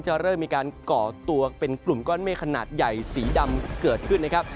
เริ่มมีการก่อตัวเป็นกลุ่มก้อนเมฆขนาดใหญ่สีดำเกิดขึ้นนะครับ